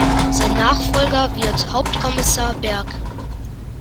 Sein Nachfolger wird Hauptkommissar Berg.